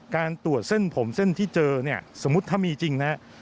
การตรวจเส้นผมเส้นที่เจอเนี่ยสมมุติถ้ามีจริงนะ